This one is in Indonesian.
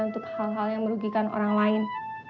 untuk hal hal yang merugikan orang lain